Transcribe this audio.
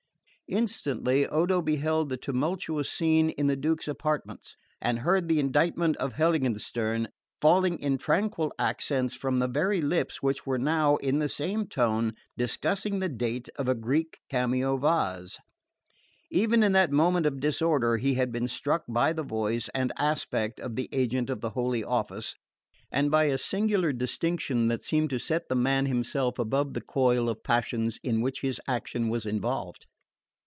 Instantly Odo beheld the tumultuous scene in the Duke's apartments, and heard the indictment of Heiligenstern falling in tranquil accents from the very lips which were now, in the same tone, discussing the date of a Greek cameo vase. Even in that moment of disorder he had been struck by the voice and aspect of the agent of the Holy Office, and by a singular distinction that seemed to set the man himself above the coil of passions in which his action was involved.